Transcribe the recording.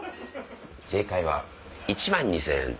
「正解は１万２０００円」。